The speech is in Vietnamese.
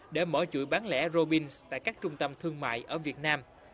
để mở chuỗi bán lẻ robins tại các trung tâm thương mại ở việt nam